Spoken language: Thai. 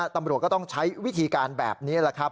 ตำรวจก็ต้องใช้วิธีการแบบนี้